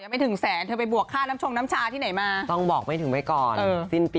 ไม่ถึงครับออกงานอินเว้นไม่ถึงแสนครับ